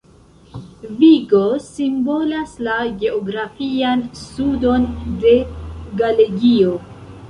Vigo simbolas la geografian sudon de Galegio.